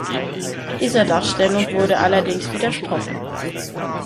Dieser Darstellung wurde allerdings widersprochen.